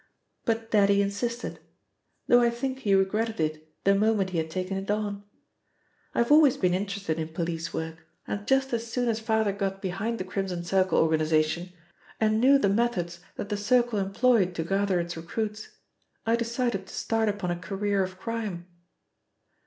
But Daddy insisted, though I think he regretted it the moment he had taken it on. I have always been interested in police work, and just as soon as Father got behind the Crimson Circle organisation and knew the methods that the Circle employed to gather its recruits, I decided to start upon a career of crime.